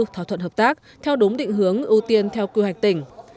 thỏa thuận hợp tác theo đúng định hướng ưu tiên theo quy hoạch tỉnh